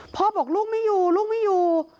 บอกลูกไม่อยู่ลูกไม่อยู่